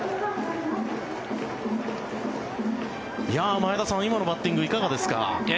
前田さん、今のバッティングいかがですか？